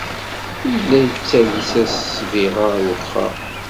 Yella yettales-as ssbiɣa i wexxam.